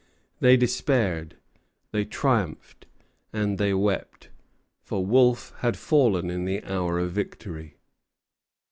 They despaired, they triumphed, and they wept; for Wolfe had fallen in the hour of victory.